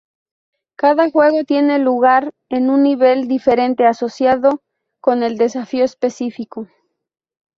Cada juego tiene lugar en un nivel diferente asociado con el desafío específico.